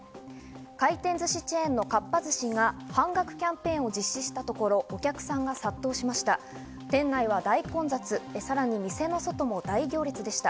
回転寿司チェーンのかっぱ寿司が半額キャンペーンを実施したところ、お客さんが殺到しました。